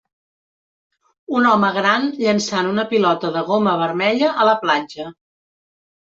Un home gran llançant un pilota de goma vermella a la platja.